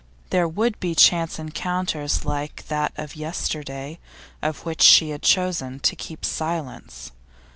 There would be chance encounters like that of yesterday, of which she had chosen to keep silence.